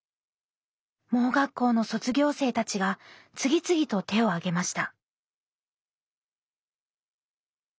盲学校の卒業生たちが次々と手を挙げました。